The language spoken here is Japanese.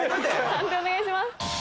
判定お願いします。